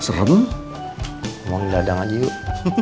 serem mau ngeladang aja yuk